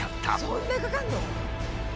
そんなかかるの？